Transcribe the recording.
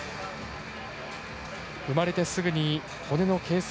生まれてすぐに骨の形成